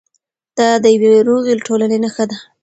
دا د یوې روغې ټولنې نښه ده.